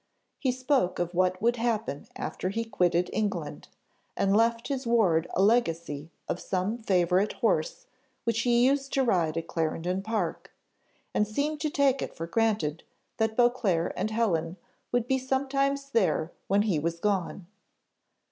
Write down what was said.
He spoke of what would happen after he quitted England, and left his ward a legacy of some favourite horse which he used to ride at Clarendon Park, and seemed to take it for granted that Beauclerc and Helen would be sometimes there when he was gone.